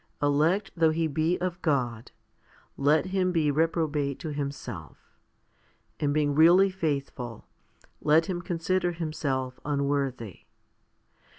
1 Elect though he be of God, let him be reprobate to him self; and being really faithful, let him consider himself unworthy.